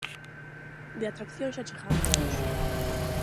De atracción xa chegamos nós.